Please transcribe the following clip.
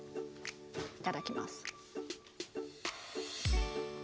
いただきます。